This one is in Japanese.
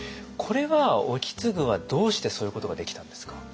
これは意次はどうしてそういうことができたんですか？